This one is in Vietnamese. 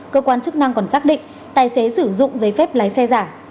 cơ quan chức năng còn xác định tài xế sử dụng giấy phép lái xe giả